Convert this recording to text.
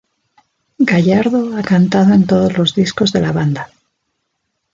Gallardo ha cantado en todos los discos de la banda.